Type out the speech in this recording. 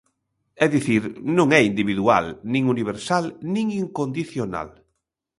É dicir, non é individual, nin universal, nin incondicional.